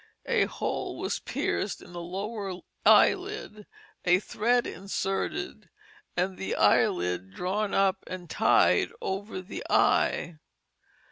A hole was pierced in the lower eyelid, a thread inserted, and the eyelid drawn up and tied over the eye.